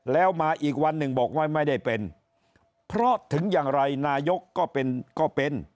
แล้วมาอีกวันหนึ่งบอกว่าไม่ได้เป็นเพราะถึงอย่างไรนายกก็เป็นก็เป็น